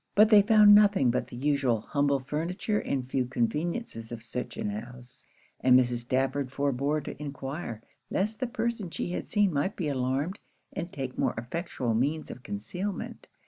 But they found nothing but the usual humble furniture and few conveniences of such an house; and Mrs. Stafford forbore to enquire, lest the person she had seen might be alarmed and take more effectual means of concealment.